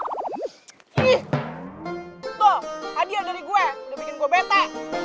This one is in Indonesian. tuh hadiah dari gua udah bikin gua bete